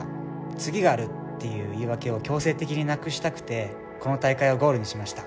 次があるっていう言い訳を強制的になくしたくて、この大会をゴールにしました。